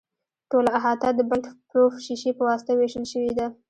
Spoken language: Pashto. ټوله احاطه د بلټ پروف شیشې په واسطه وېشل شوې ده.